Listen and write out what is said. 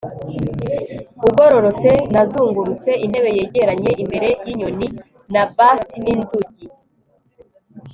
ugororotse nazungurutse intebe yegeranye imbere yinyoni, na bust n'inzugi